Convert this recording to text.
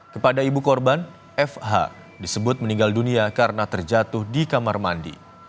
kepada ibu korban fh disebut meninggal dunia karena terjatuh di kamar mandi